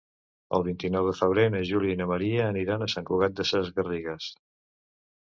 El vint-i-nou de febrer na Júlia i na Maria aniran a Sant Cugat Sesgarrigues.